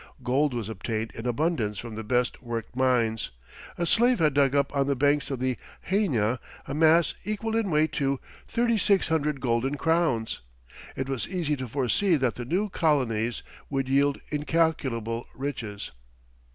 Gold was obtained in abundance from the best worked mines; a slave had dug up on the banks of the Hayna, a mass, equal in weight to 3600 golden crowns; it was easy to foresee that the new colonies would yield incalculable riches.